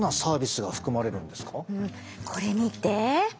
これ見て。